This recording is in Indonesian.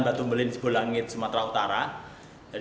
di batu belin sebulangit sumatera utara